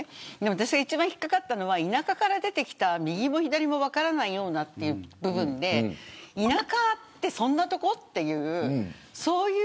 私が一番引っ掛かったのは田舎から出てきた右も左も分からないようなという部分で田舎ってそんな所っていう。